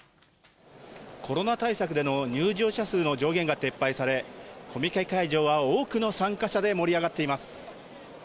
コロナ対策での入場者数の上限が撤廃され、コミケ会場は多くの参加者で盛り上がっています。